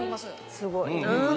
すごいな。